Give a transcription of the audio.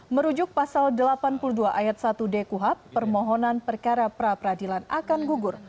merujuk pasal delapan puluh dua ayat satu d kuhap permohonan perkara pra peradilan akan gugur